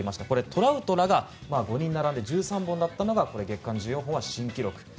トラウトら５人並んで１３本だったのが月間１４本は新記録と。